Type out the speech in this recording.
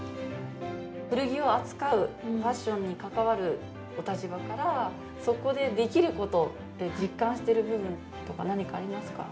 古着を扱うファッションに関わるお立場から、そこでできることって、実感している部分とか、何かありますか？